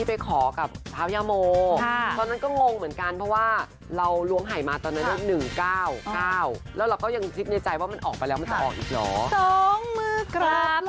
ป่อนั้นก็งงเหมือนกันเพราะว่าเราหลวงให้มา๑๙แล้วเราก็คิดในใจว่ามันออกไปแล้วมันจะออกอีกเหรอ